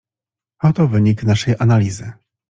"Oto wynik naszej analizy."